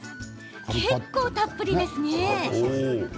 結構たっぷりですね。